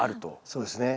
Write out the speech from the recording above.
そうですね。